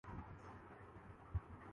اور اس طرح مسلمانوں میں اختلاف برپا ہوا